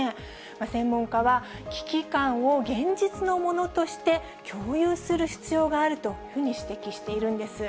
専門家は危機感を現実のものとして、共有する必要があるというふうに指摘しているんです。